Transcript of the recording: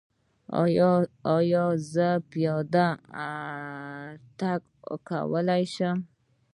ایا زه پیاده تګ کولی شم؟